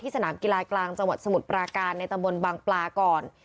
สนามกีฬากลางจังหวัดสมุทรปราการในตำบลบางปลาก่อน